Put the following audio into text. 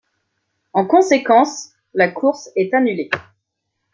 En conséquence, la course est annulée.